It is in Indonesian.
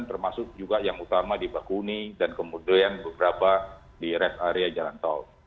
termasuk juga yang utama di bakuni dan kemudian beberapa di rest area jalan tol